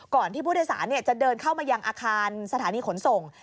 ที่ผู้โดยสารจะเดินเข้ามายังอาคารสถานีขนส่ง